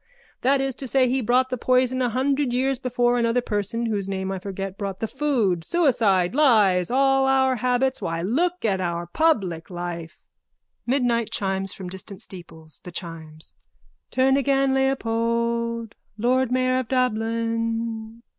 That is to say he brought the poison a hundred years before another person whose name I forget brought the food. Suicide. Lies. All our habits. Why, look at our public life! (Midnight chimes from distant steeples.) THE CHIMES: Turn again, Leopold! Lord mayor of Dublin!